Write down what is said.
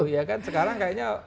ya kan sekarang kayaknya